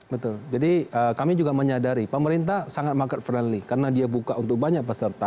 betul jadi kami juga menyadari pemerintah sangat market friendly karena dia buka untuk banyak peserta